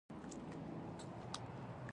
په مدرسه کښې مې څلورم کال و.